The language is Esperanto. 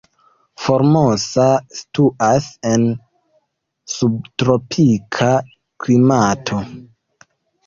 Formosa situas en subtropika klimato.